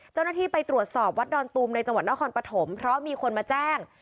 เจ้าหน้าที่ไปตรวจสอบวัดดอนตูมในจังหวัดนครปฐมเพราะมีคนมาแจ้ง